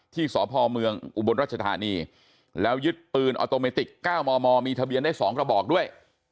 ที่สพเมืองอุบลรัชธานีแล้วยึดปืนออโตเมติก๙มมมีทะเบียนได้๒กระบอกด้วย